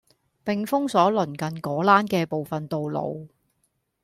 並封鎖鄰近果欄嘅部分道路